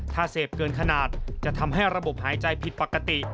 ถ้าเสพเกินขนาดจะทำให้ระบบหายใจผิดปกติ